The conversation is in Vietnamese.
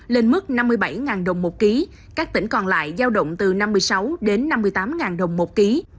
lên mức năm mươi bảy đồng một ký các tỉnh còn lại giao động từ năm mươi sáu đến năm mươi tám đồng một ký